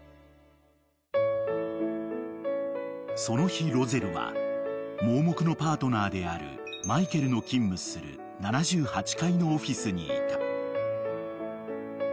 ［その日ロゼルは盲目のパートナーであるマイケルの勤務する７８階のオフィスにいた］